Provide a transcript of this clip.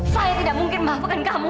saya tidak mungkin melakukan kamu